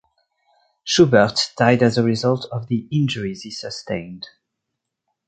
Shubert died as a result of the injuries he sustained.